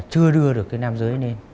chưa đưa được cái nam giới lên